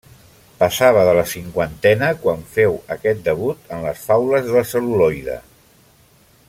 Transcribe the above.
Passava de la cinquantena quan féu aquest debut en les faules de cel·luloide.